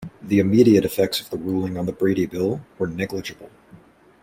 The immediate effects of the ruling on the Brady Bill were negligible.